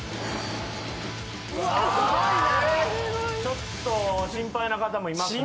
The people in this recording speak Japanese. ちょっと心配な方もいますね。